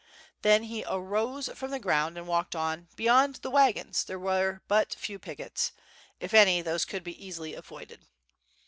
Then he arose from the ground and walked on, beyond the wagons there were but few pickets; if any, those could be easily avoided.